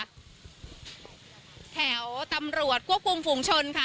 ตอนนี้เลยค่ะแถวตำรวจกวบกลุ่มฝุ่งชนค่ะ